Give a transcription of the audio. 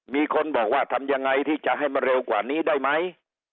มีคนบอกว่าทำยังไงที่จะให้มันเร็วกว่านี้ได้ไหม